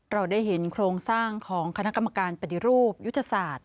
เราได้เห็นโครงสร้างของคณะกรรมการปฏิรูปยุทธศาสตร์